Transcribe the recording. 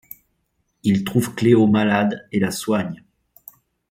Il trouve Cleo malade et la soigne.